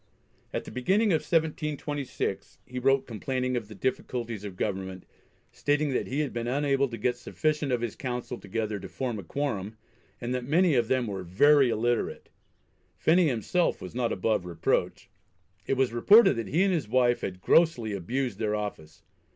At the beginning of 1726, he wrote complaining of the difficulties of government, stating that he had been unable to get sufficient of his Council together to form a quorum, and that many of them were "very illiterate." Phenney himself was not above reproach. It was reported that he and his wife had grossly abused their office.